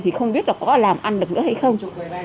thì không biết là có làm ăn được nữa hay không